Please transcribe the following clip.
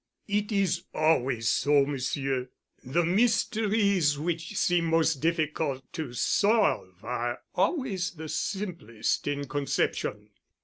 "It is always so, Monsieur. The mysteries which seem most difficult to solve are always the simplest in conception."